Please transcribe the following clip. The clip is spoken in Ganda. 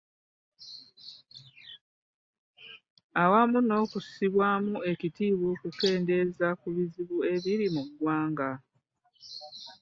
Awamu n'okussibwamu ekitiibwa okukendeeza ku bizibu ebiri mu ggwanga.